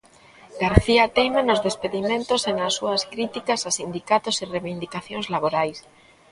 García teima nos despedimentos e nas súas críticas a sindicatos e reivindicacións laborais.